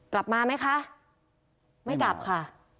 กลับมาไหมคะไม่กลับค่ะ